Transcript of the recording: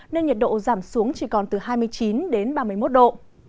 nên nhiệt độ giảm xuống chỉ còn từ hai mươi chín đến ba mươi một độ